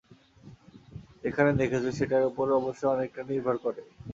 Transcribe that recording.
যেখানে দেখেছ সেটার উপর অবশ্য অনেকটা নির্ভর করে।